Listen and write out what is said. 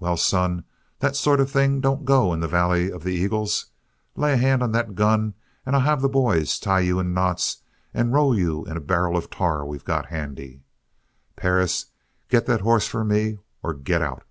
Well, son, that sort of thing don't go in the Valley of the Eagles. Lay a hand on that gun and I'll have the boys tie you in knots and roll you in a barrel of tar we got handy. Perris, get that hoss for me, or get out!"